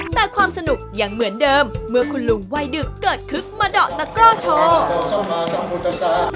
แต่ความสนุกยังเหมือนเดิมเมื่อคุณลุงวัยดึกเกิดคึกมาเดาะตะกร่อโชว์